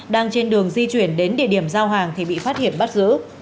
đang trên đường di chuyển đến địa điểm giao hàng thì bị phát hiện bắt giữ